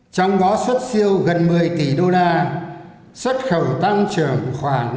trong đó xuất siêu gần một mươi tỷ usd xuất khẩu tăng trưởng khoảng tám